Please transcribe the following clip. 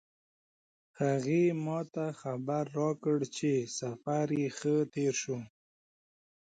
هغې ما ته خبر راکړ چې سفر یې ښه تیر شو